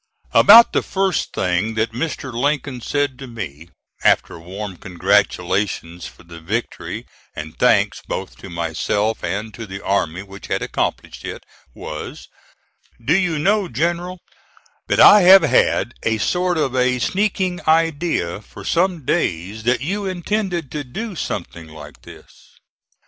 About the first thing that Mr. Lincoln said to me, after warm congratulations for the victory, and thanks both to myself and to the army which had accomplished it, was: "Do you know, general, that I have had a sort of a sneaking idea for some days that you intended to do something like this."